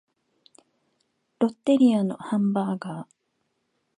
ロッテリアのハンバーガー